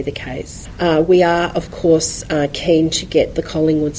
kita tentu saja berharap untuk mengembangkan